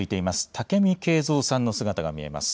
武見敬三さんの姿が見えます。